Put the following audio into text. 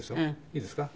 いいですか？